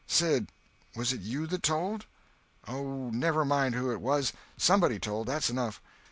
"Sid, was it you that told?" "Oh, never mind who it was. Somebody told—that's enough."